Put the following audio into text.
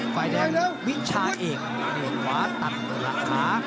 ฝ่ายแดงวิชาเอกเดี๋ยวขวาตัดหลักขา